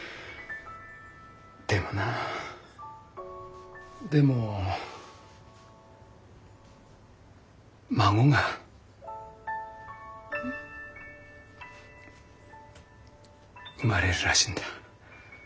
でもなあでも孫が生まれるらしいんだ。